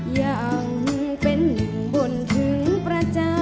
ยังเป็นบ่นถึงประจำ